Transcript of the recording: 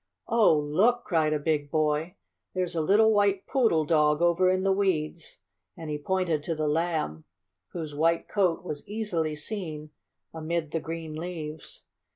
"Oh, look!" cried a big boy. "There's a little white poodle dog over in the weeds!" and he pointed to the Lamb, whose white coat was easily seen amid the green leaves.